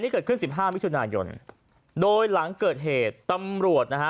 เกิดขึ้นสิบห้ามิถุนายนโดยหลังเกิดเหตุตำรวจนะฮะ